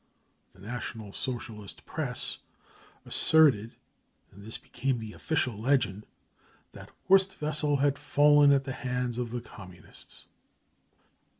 The National Socialist Press , asserted — and this became the official legend — that Horst Wessel had fallen at the hands of the Communists.